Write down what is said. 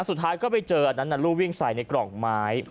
สุดท้ายก็ไปเจออันนั้นลูกวิ่งใส่ในกล่องไม้